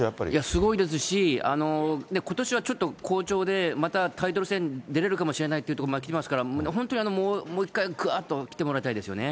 すごいですし、ことしはちょっと好調で、またタイトル戦出れるかもしれないというところまできてますから、本当にもう一回ぐあーっときてもらいたいですね。